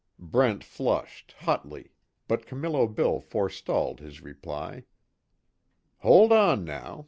Brent flushed, hotly, but Camillo Bill forestalled his reply. "Hold on, now.